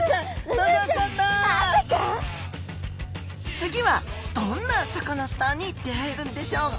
次はどんなサカナスターに出会えるんでしょう？